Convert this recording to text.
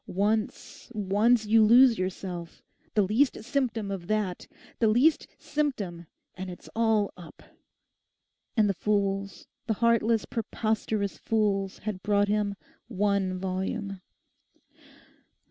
'Once, once you lose yourself—the least symptom of that—the least symptom, and it's all up!' And the fools, the heartless, preposterous fools had brought him one volume!